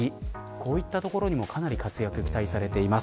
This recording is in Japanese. こういった所でも活躍が期待されています。